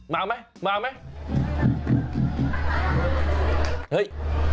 มากมั้ยมากมั้ย